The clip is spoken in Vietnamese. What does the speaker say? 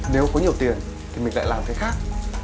nếu có nhiều tiền thì mình lại làm cái khác